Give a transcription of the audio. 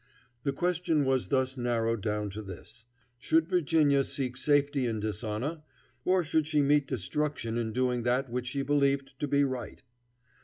The question was thus narrowed down to this: Should Virginia seek safety in dishonor, or should she meet destruction in doing that which she believed to be right?